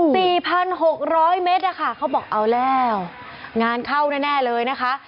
สี่พันหกร้อยเมตรอะค่ะเขาบอกเอาแล้วงานเข้าแน่แน่เลยนะคะ